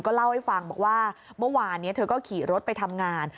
เล่าให้ฟังบอกว่าเมื่อวานนี้เธอก็ขี่รถไปทำงาน